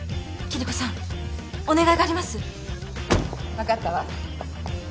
分かったわ。